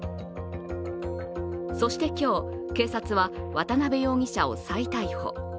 そして今日、警察は渡邊容疑者を再逮捕。